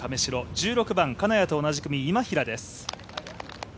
１６番、金谷と同じ組、今平です。